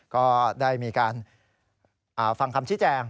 ก็ได้มีการฟังคำชี้แจง